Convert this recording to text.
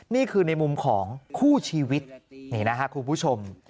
นี่คือในมุมของคู่ชีวิตคุณผู้ชม